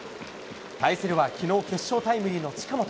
対するは、きのう決勝タイムリーの近本。